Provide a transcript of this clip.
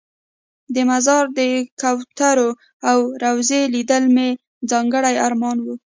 د مزار د کوترو او روضې لیدل مې ځانګړی ارمان و.